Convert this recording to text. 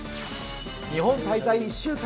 日本滞在１週間。